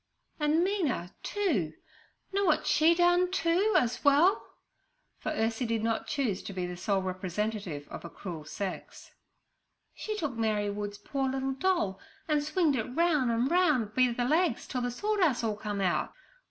'An' Mina, too, know wot she done, too, as well?' for Ursie did not choose to be the sole representative of a cruel sex. 'She took Mary Wood's poor little doll and swinged it roun' an' roun' be the legs till the sawdust all come out.